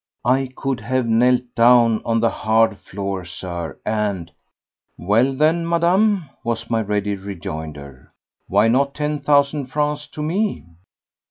I could have knelt down on the hard floor, Sir, and ... "Well then, Madame," was my ready rejoinder, "why not ten thousand francs to me?"